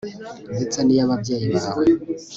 ndetse n iy ababyeyi bawe